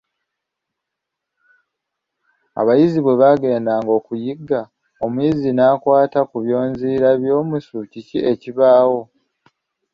Abayizzi bwe bagenda okuyigga, omuyizzi n'akwata ku byonziira by'omusu, kiki ekibaawo?